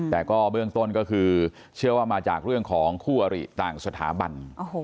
แต่ก็เบื้องต้นก็คือเชื่อว่ามาจากเรื่องของคู่อริต่างสถาบัน